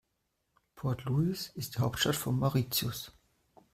Port Louis ist die Hauptstadt von Mauritius.